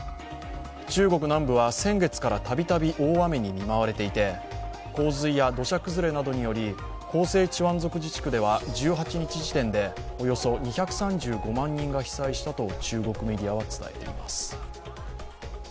中国南部は先月から度々大雨に見舞われていて、洪水や土砂崩れなどにより広西チワン族自治区では１８日時点でおよそ２３５万人が被災したと中国メディアは伝えています。